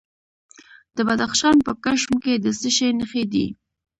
د بدخشان په کشم کې د څه شي نښې دي؟